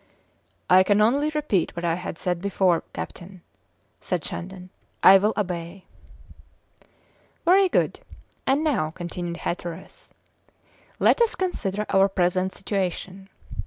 "I can only repeat what I said before, captain," said Shandon "I will obey." "Very good. And now," continued Hatteras, "let us consider our present situation.